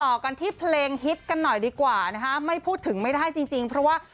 ต่อกันที่เพลงฮิตกันหน่อยดีกว่านะคะไม่พูดถึงไม่ได้จริงจริงเพราะว่า